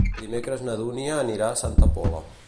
Dimecres na Dúnia anirà a Santa Pola.